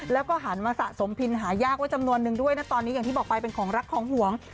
แล้วก็หันมาสะสมพินหายากไว้จำนวนนึงด้วยนะตอนนี้อย่างที่บอกไปเป็นของรักของหวง